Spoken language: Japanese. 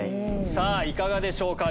いかがでしょうか？